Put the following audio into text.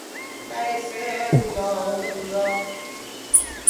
میں اسے بلاوں گا